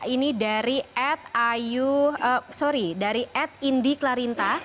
ini dari ed indy klarinta